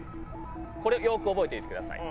これよく覚えていてください。